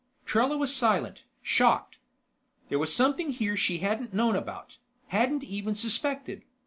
Trella was silent, shocked. There was something here she hadn't known about, hadn't even suspected.